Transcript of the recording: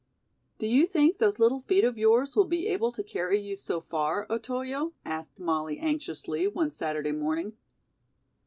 "Do you think those little feet of yours will be able to carry you so far, Otoyo?" asked Molly anxiously, one Saturday morning.